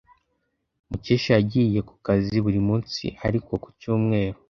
Mukesha yagiye ku kazi buri munsi ariko ku cyumweru.